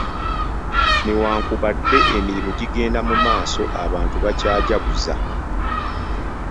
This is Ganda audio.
Newankubadde emirimu gigenda mu maaso, abantu bakyajaguza.